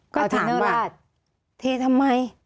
ก็ถามว่าเททำไม